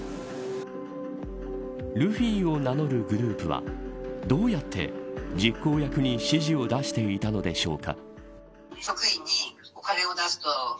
ルフィを名乗るグループはどうやって、実行役に指示を出していたのでしょうか。